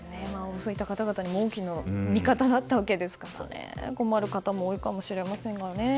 そういった方々の大きな味方だったわけですから困る方も多いかもしれませんね。